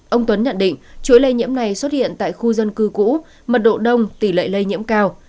ông tuấn nhận định chuỗi lây nhiễm này xuất hiện tại khu dân cư cũ mật độ đông tỷ lệ lây nhiễm cao